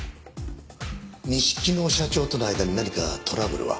錦野社長との間に何かトラブルは？